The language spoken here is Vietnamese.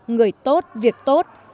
người tốt việc tốt